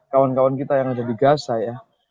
kawan kawan kita yang ada di gaza ya